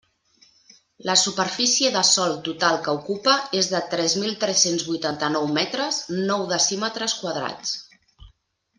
La superfície de sòl total que ocupa és de tres mil tres-cents vuitanta-nou metres, nou decímetres quadrats.